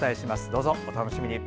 どうぞお楽しみに。